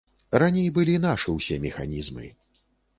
Раней былі нашы ўсе механізмы.